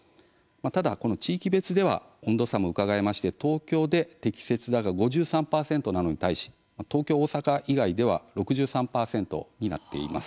ただ地域別では温度差も、うかがえまして東京で適切だ、が５３％なのに対し、東京、大阪以外では６３％だったんです。